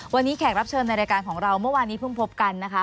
วันนี้แขกรับเชิญในรายการของเราเมื่อวานนี้เพิ่งพบกันนะคะ